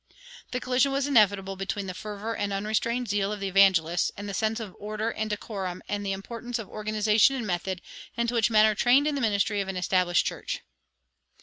The collision was inevitable between the fervor and unrestrained zeal of the evangelists and the sense of order and decorum, and of the importance of organization and method, into which men are trained in the ministry of an established church.